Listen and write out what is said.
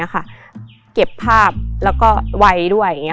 เก็บภาพไวด้วย